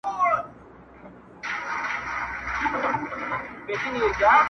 په هر رنګ کي څرګندیږي له شیطانه یمه ستړی،